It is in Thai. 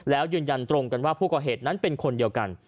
แล้วยืนยันตรงกันว่าผู้ก่อเหตุนั้นเป็นคนเดียวกัน